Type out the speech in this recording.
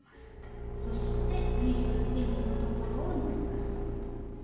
そして縫い代１ｃｍのところを縫います。